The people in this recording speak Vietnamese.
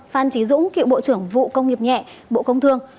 phan trí dũng cựu bộ trưởng vụ công nghiệp nhẹ bộ công thương